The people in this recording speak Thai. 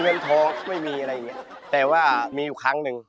ยืนทอไม่มีอะไรอย่างนี้แต่ว่ามีครั้งหนึ่ง